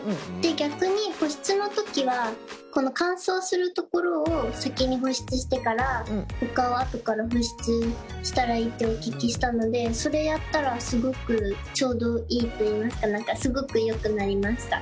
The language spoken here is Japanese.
逆に保湿の時はこの乾燥する所を先に保湿してからほかはあとから保湿したらいいってお聞きしたのでそれやったらすごくちょうどいいといいますかすごくよくなりました。